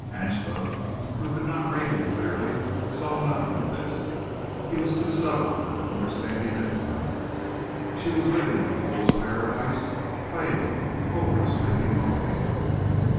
Angela, who could not read him clearly, saw nothing of this. He was too subtle for her understanding at times. She was living in a fool's paradise; playing over a sleeping volcano.